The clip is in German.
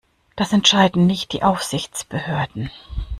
Das entscheiden nicht die Aufsichtsbehörden.